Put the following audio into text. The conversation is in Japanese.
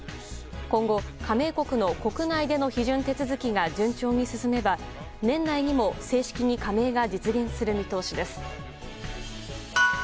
今後、加盟国の国内での批准手続きが順調に進めば年内にも、正式に加盟が実現する見通しです。